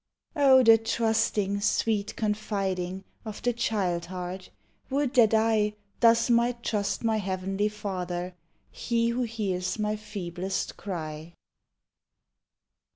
Oh, the trusting, sweet confiding Of the child heart! Would that I Thus might trust my Heavenly Father, He who hears my feeblest cry.